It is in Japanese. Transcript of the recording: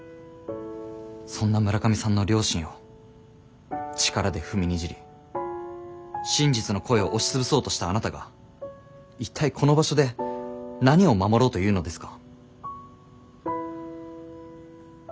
そんな村上さんの良心を力で踏みにじり真実の声を押し潰そうとしたあなたが一体この場所で何を守ろうというのですか？